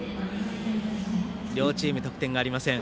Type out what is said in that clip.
両チーム、得点がありません。